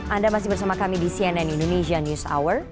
anda masih bersama kami di cnn indonesia news hour